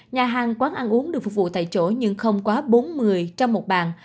nhà hàng quán ăn uống được phục vụ tại chỗ nhưng không quá bốn người trong một bàn